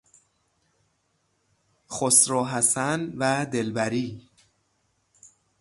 خسرو حسن و دلبری